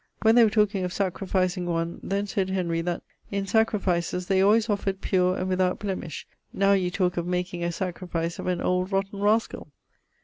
When they were talking of sacrificing one, then said Henry that 'in sacrifices they always offered pure and without blemish: now yee talke of making a sacrifice of an old rotten rascall.'